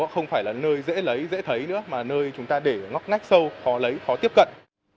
không phải là nơi dễ lấy dễ thấy nữa mà nơi chúng ta để ngóc ngách sâu có lấy khó tiếp cận